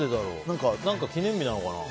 何か記念日なのかな？